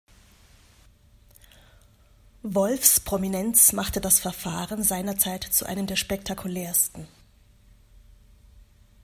Wolffs Prominenz machte das Verfahren seinerzeit zu einem der spektakulärsten.